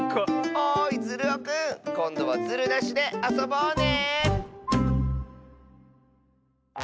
おいズルオくんこんどはズルなしであそぼうね！